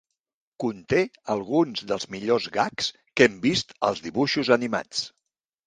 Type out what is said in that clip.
Conté alguns dels millors gags que hem vist als dibuixos animats.